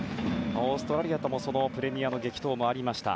オーストラリアともプレミアでの激闘もありました。